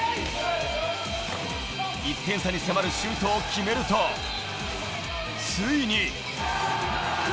１点差に迫るシュートを決めると、ついに。